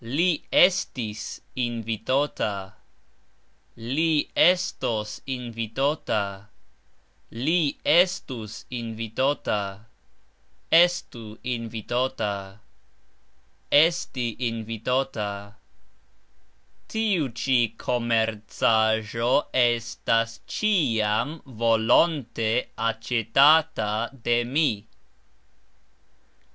Li estis invitota. Li estos invitota. Li estus invitota. Estu invitota. Esti invitota. Tiu cxi komercajxo estas cxiam volonte acxetata de mi.